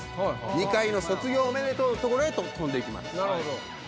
２階の「卒業おめでとう」の所へと飛んでいきます。